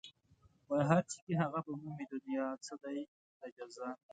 هر چې کا هغه به مومي دنيا ځای دئ د جزا